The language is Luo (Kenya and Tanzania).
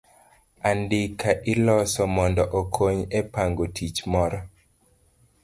Andika iloso mondo okony e pango tich moro.